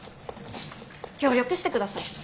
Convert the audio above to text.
協力してください。